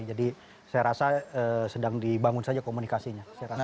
jadi saya rasa sedang dibangun saja komunikasinya